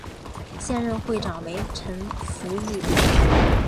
现任会长为陈福裕。